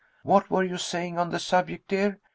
What were you saying on the subject, dear?